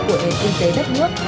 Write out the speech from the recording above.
của nền kinh tế đất nước